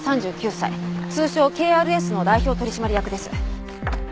通称ＫＲＳの代表取締役です。